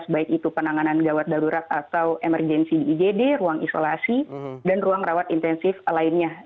baik itu penanganan gawat darurat atau emergensi di igd ruang isolasi dan ruang rawat intensif lainnya